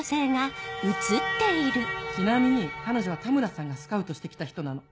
ちなみに彼女は田村さんがスカウトして来た人なの。